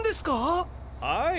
はい。